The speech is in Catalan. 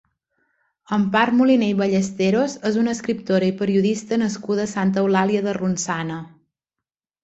Empar Moliner i Ballesteros és una escriptora i periodista nascuda a Santa Eulàlia de Ronçana.